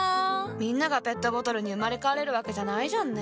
みんながペットボトルに生まれ変われるわけじゃないじゃんね。